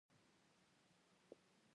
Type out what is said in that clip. د ولس د ملاتړ غبرګون